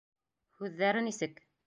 Һүҙҙәре нисек?